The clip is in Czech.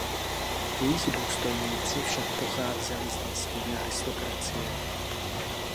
Jejich důstojníci však pocházeli z místní aristokracie.